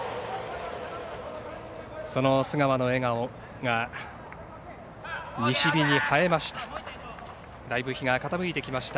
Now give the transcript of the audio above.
その須川の笑顔が西日に映えました。